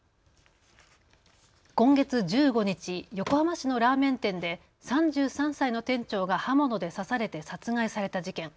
今月１５日、横浜市のラーメン店で３３歳の店長が刃物で刺されて殺害された事件。